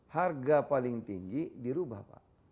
harga paling tinggi dirubah pak